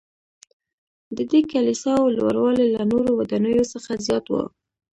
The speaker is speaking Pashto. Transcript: ددې کلیساوو لوړوالی له نورو ودانیو څخه زیات و.